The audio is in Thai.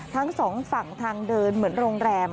ทั้งสองฝั่งทางเดินเหมือนโรงแรม